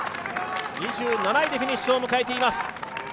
２７位でフィニッシュを迎えています。